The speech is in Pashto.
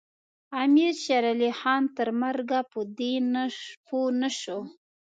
امیر شېرعلي خان تر مرګه په دې پوه نه شو.